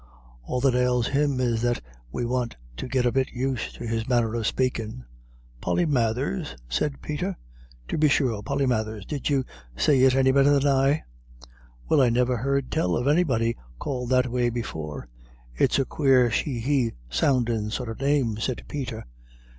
All that ails him is that we want to git a bit used to his manner of spakin'." "Polymathers?" said Peter. "To be sure, Polymathers. Did you say it any better than I?" "Well, I nivir heard tell of anybody called that way before. It's a quare she he soundin' sort of name," said Peter.